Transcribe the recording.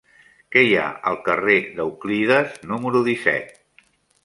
Què hi ha al carrer d'Euclides número disset?